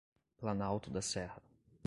Planalto da Serra